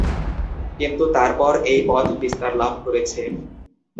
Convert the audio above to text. কিন্তু তারপর এই পথ বিস্তার লাভ করেছে।